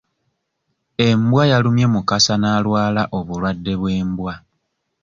Embwa yalumye Mukasa n'alwala obulwadde bw'embwa.